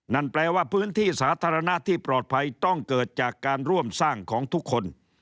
นั่นแปลว่าพื้นที่สาธารณะที่ปลอดภัยต้องเกิดจากการร่วมสร้างของทุกคน